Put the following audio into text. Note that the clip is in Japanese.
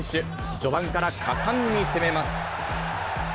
序盤から果敢に攻めます。